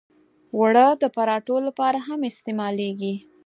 اوړه د پراتو لپاره هم استعمالېږي